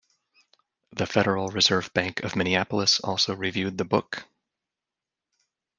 The Federal Reserve Bank of Minneapolis also reviewed the book.